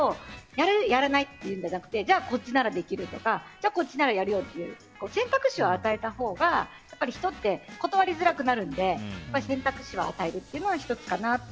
やる、やらないじゃなくてじゃあ、こっちならできるとかこっちならやるよという選択肢を与えたほうが人って断りづらくなるので選択肢を与えることは１つかなと。